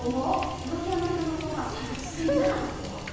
東京の人のほうが差別せんじゃなかと？